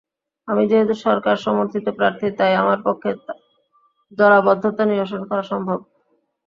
আমি যেহেতু সরকার-সমর্থিত প্রার্থী, তাই আমার পক্ষে জলাবদ্ধতা নিরসন করা সম্ভব।